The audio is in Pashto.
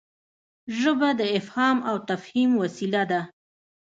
ژبه د افهام او تفهیم وسیله ده.